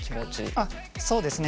あっそうですね。